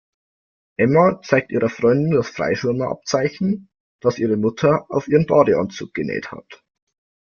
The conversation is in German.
Emma zeigt ihrer Freundin das Freischwimmer-Abzeichen, das ihre Mutter auf ihren Badeanzug genäht hat.